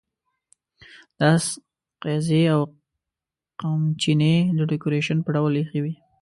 د آس قیضې او قمچینې د ډیکوریشن په ډول اېښې وې.